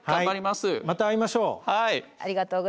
また会いましょう。